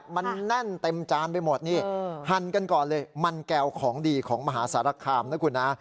มันแน่นเต็มจานไปหมดนี่หั่นกันก่อนเลยมันแก้วของดีของมหาสารคามนะคุณนะ